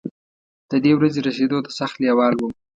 ددې ورځې رسېدو ته سخت لېوال وم.